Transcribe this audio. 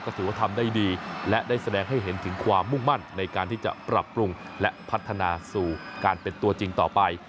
ก็ถือว่าทำได้ดีและได้แสดงให้เห็นถึงความมุ่งมั่นในการที่จะปรับปรุงและพัฒนาสู่การเป็นตัวจริงต่อไป